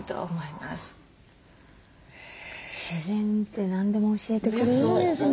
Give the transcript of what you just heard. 自然って何でも教えてくれるんですね。